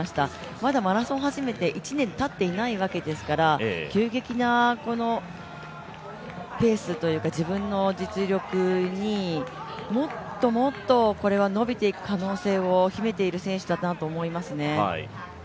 まだマラソン始めて１年たっていないわけですから急激なペースというか自分の実力にもっともっと伸びていく可能性を秘めている選手だなと思いますね。